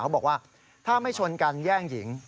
บอกว่าถ้าไม่ชนกันแย่งหญิง